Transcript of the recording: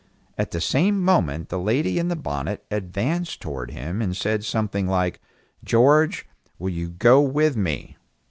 At the same moment the lady in the bonnet advanced towards him and said something like, "George, will you go with me?"